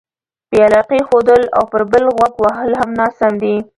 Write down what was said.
بې علاقې ښودل او پر بل غوږ وهل هم ناسم دي.